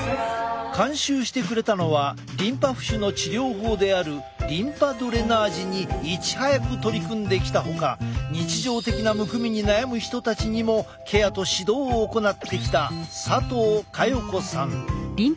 監修してくれたのはリンパ浮腫の治療法であるリンパドレナージにいち早く取り組んできたほか日常的なむくみに悩む人たちにもケアと指導を行ってきた佐藤佳代子さん。